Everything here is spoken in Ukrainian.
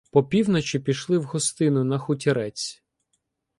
Попівночі пішли "в гостину" на хутірець.